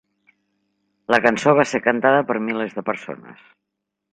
La cançó va ser cantada per milers de persones.